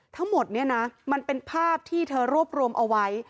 ทั้งหมดเนี่ยนะมันเป็นภาพที่เธอรวบรวมเอาไว้